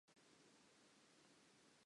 Ke ne ke rata ntate wa ka.